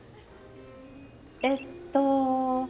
えっと。